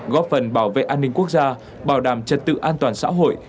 góp phần bảo vệ an ninh quốc gia bảo đảm trật tự an toàn xã hội